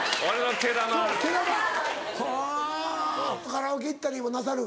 カラオケ行ったりもなさる？